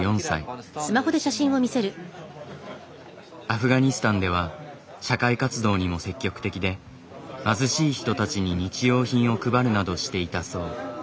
アフガニスタンでは社会活動にも積極的で貧しい人たちに日用品を配るなどしていたそう。